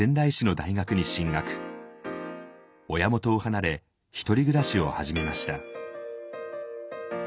親元を離れひとり暮らしを始めました。